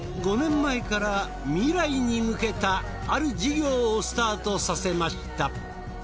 ５年前から未来に向けたある事業をスタートさせました。